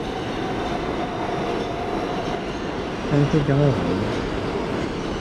Anta i iɣaben?